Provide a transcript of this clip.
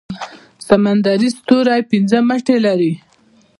سمندري ستوری پنځه مټې لري